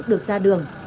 được ra đường